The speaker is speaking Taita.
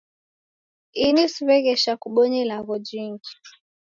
Ini siw'eghesha kubonya ilagho jingi